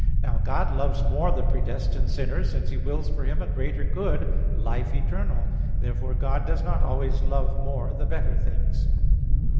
Now God loves more the predestined sinner, since He wills for him a greater good, life eternal. Therefore God does not always love more the better things.